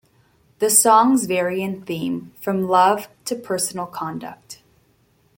The songs vary in theme from love to personal conduct.